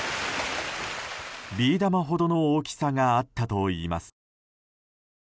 ビー玉ほどの大きさがあったといいます。